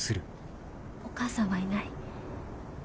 お母さんはいない。